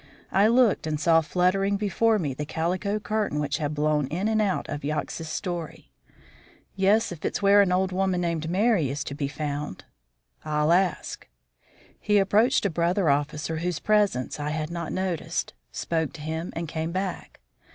I looked, and saw fluttering before me the calico curtain which had blown in and out of Yox's story. "Yes, if it's where an old woman named Merry is to be found." "I'll ask." He approached a brother officer whose presence I had not noticed, spoke to him, and came back.